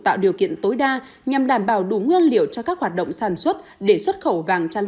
tạo điều kiện tối đa nhằm đảm bảo đủ nguyên liệu cho các hoạt động sản xuất để xuất khẩu vàng chăn